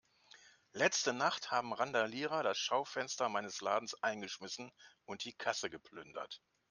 Letzte Nacht haben Randalierer das Schaufenster meines Ladens eingeschmissen und die Kasse geplündert.